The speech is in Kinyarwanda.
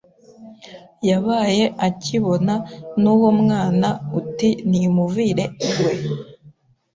yabaye akibona n’uwo mwana uti nimuvire iwe